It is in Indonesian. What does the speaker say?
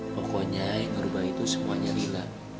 pokoknya yang ngerubah itu semuanya lila